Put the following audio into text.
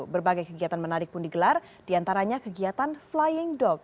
berbagai kegiatan menarik pun digelar diantaranya kegiatan flying dock